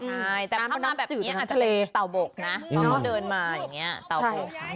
ใช่แต่เข้ามาแบบนี้อาจจะเป็นเต่าบกนะเพราะเขาเดินมาอย่างนี้เต่าบก